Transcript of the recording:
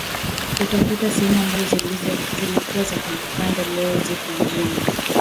utakuta sehemu ambazo zilikuwa za kandokando leo ziko mjini